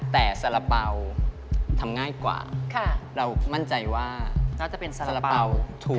แต่สาระเป๋าทำง่ายกว่าเรามั่นใจว่าน่าจะเป็นสาระเป๋าถูก